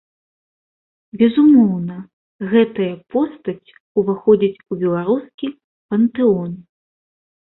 Безумоўна, гэтая постаць уваходзіць у беларускі пантэон.